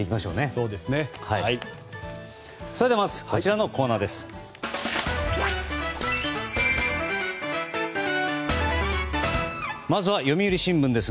それではまずこちらのコーナーです。